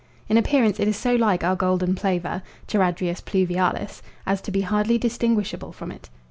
In appearance it is so like our golden plover, Charadrius pluvialis, as to be hardly distinguishable from it.